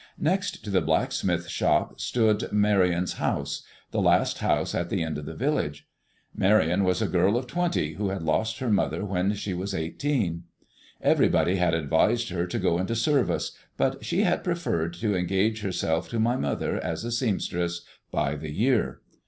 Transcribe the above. Next to the blacksmith's shop stood Marion's house, the last house at the end of the village. Marion was a girl of twenty who had lost her mother when she was eighteen. Everybody had advised her to go into service; but she had preferred to engage herself to my mother as a seamstress, by the year.